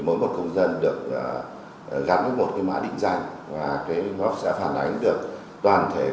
mỗi một công dân được gắn với một mã định danh và nó sẽ phản ánh được toàn thể